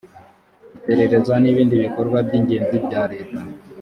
iperereza n’ibindi bikorwa by’ingenzi bya leta